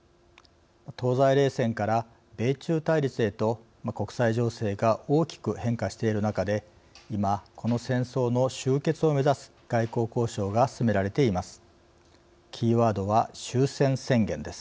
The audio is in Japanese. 東西冷戦から米中対立へと国際情勢が大きく変化している中で今、この戦争の終結を目指す外交交渉が進められています。